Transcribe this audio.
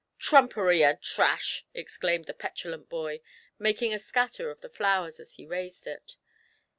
Trumpery and trash !" exclaimed the petulant boy, making a scatter of the flowers as he raised it.